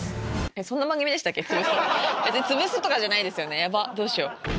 えっ、そんな番組でしたっけ、潰すとかじゃないですよね、やばっ、どうしよう。